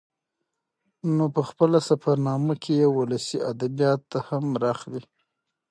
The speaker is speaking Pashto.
نو په خپله سفر نامه کې يې ولسي ادبيات هم راخلي